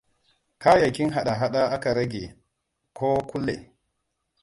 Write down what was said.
Kayakiin haɗa-haɗa da dama aka rege ko kulle.